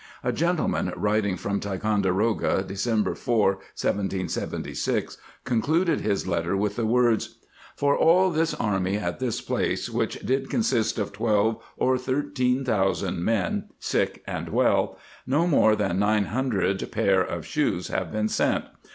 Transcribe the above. A gentleman, writing from Ticonderoga December 4, 1776, concluded his letter with the words :" For all this Army at this place, which did consist of twelve or thirteen thousand men, sick and well, no more than nine hundred pair of shoes have been sent.